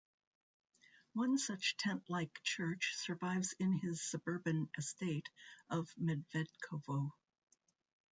One such tent-like church survives in his suburban estate of Medvedkovo.